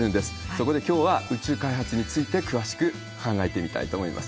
そこで、きょうは宇宙開発について、詳しく考えてみたいと思います。